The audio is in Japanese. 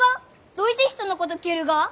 どういて人のこと蹴るが？